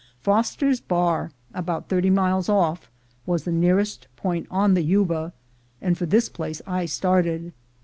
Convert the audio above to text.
Foster's Bar, about thirty miles off, was the near est point on the Yuba, and for this place I started.